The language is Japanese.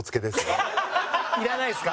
いらないですか？